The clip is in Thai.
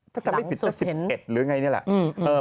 ถ้าจำไม่ผิด๑๑หรือยังไงเนี่ยแหละ